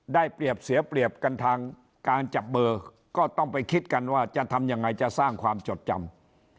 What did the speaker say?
เปรียบเสียเปรียบกันทางการจับเบอร์ก็ต้องไปคิดกันว่าจะทำยังไงจะสร้างความจดจำ